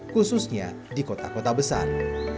khususnya di kota kota besar